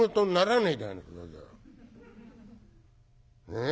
ねえ？